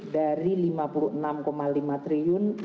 dari rp lima puluh enam lima triliun